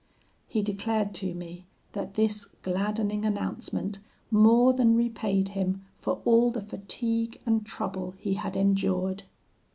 He declared to me, that this gladdening announcement more than repaid him for all the fatigue and trouble he had endured.